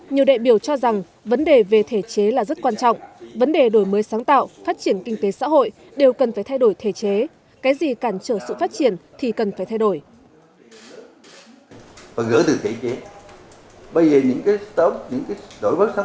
nhiều đại biểu cho rằng vấn đề về thể chế là rất quan trọng vấn đề đổi mới sáng tạo phát triển kinh tế xã hội đều cần phải thay đổi thể chế cái gì cản trở sự phát triển thì cần phải thay đổi